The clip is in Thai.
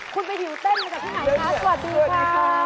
คุณไปหิวเต้นมาจากที่ไหนคะสวัสดีค่ะ